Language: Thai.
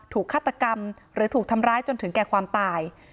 ฆาตกรรมหรือถูกทำร้ายจนถึงแก่ความตาย